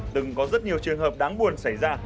từng có rất nhiều trường hợp đáng buồn xảy ra